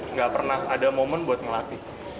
nggak pernah ada momen buat ngelatih